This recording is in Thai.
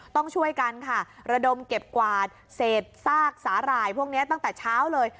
ต้องช่วยกันค่ะระดมเก็บกวาดเศษซากสาหร่ายพวกนี้ตั้งแต่เช้าเลย